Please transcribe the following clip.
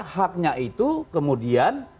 haknya itu kemudian